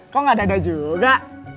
kok ga dadah juga